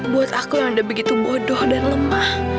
buat aku yang udah begitu bodoh dan lemah